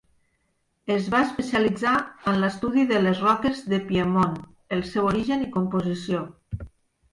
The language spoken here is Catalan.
Es va especialitzar en l'estudi de les roques de Piedmont, el seu origen i composició.